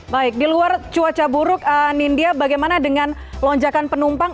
baik di luar cuaca buruk nindya bagaimana dengan lonjakan penumpang